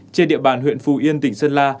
trên địa bàn huyện phủ yên tỉnh sơn la